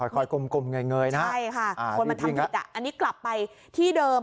กลมเงยนะใช่ค่ะคนมาทำผิดอันนี้กลับไปที่เดิม